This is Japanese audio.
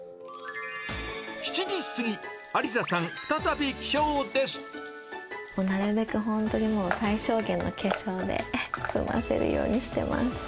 ７時過ぎ、ありささん、なるべく本当にもう、最小限の化粧で済ませるようにしてます。